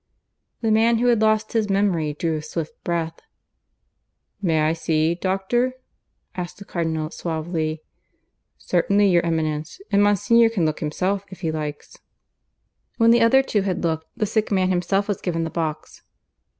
The man who had lost his memory drew a swift breath. "May I see, doctor?" asked the Cardinal suavely. "Certainly, your Eminence; and Monsignor can look himself, if he likes." When the other two had looked, the sick man himself was given the box.